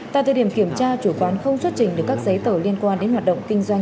tại thời điểm kiểm tra chủ quán không xuất trình được các giấy tờ liên quan